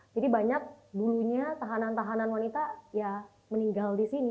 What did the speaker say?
jadi banyak dulunya tahanan tahanan wanita meninggal di sini